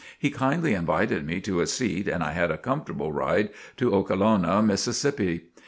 He kindly invited me to a seat and I had a comfortable ride to Okalona, Mississippi.